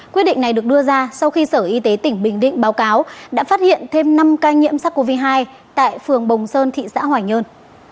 quyết định này được đưa ra sau khi sở y tế tỉnh bình định báo cáo đã phát hiện thêm năm ca nhiễm sars cov hai tại phường bồng sơn thị xã hoài nhơn